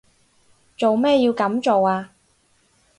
做咩要噉做啊？